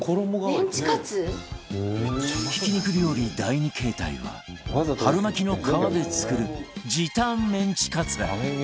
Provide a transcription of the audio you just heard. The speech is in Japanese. ひき肉料理第２形態は春巻きの皮で作る時短メンチカツだ